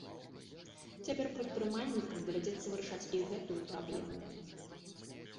Цяпер прадпрымальнікам давядзецца вырашаць і гэтую праблему.